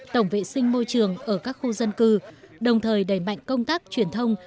tổng vệ sinh môi trường ở các khu dân cư đồng thời đẩy mạnh công tác truyền thông